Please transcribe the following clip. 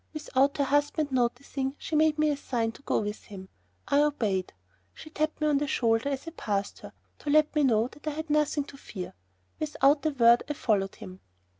Without her husband noticing she made me a sign to go with him. I obeyed. She tapped me on the shoulder as I passed her, to let me know that I had nothing to fear. Without a word I followed him.